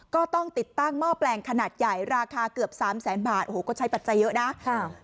ก็ต้องติดตั้งหม้อแปลงขนาดใหญ่ราคาเกือบสามแสนบาทโอ้โหก็ใช้ปัจจัยเยอะนะค่ะ